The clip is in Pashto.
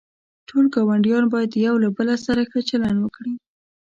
ټول گاونډیان باید یوله بل سره ښه چلند وکړي.